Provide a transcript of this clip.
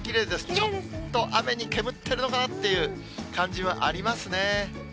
ちょっと雨に煙っているのかな？っていう感じはありますね。